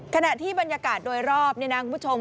ขณะที่บรรยากาศโดยรอบนี่นะคุณผู้ชม